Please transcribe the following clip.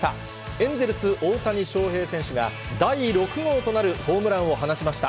エンゼルス、大谷翔平選手が第６号となるホームランを放ちました。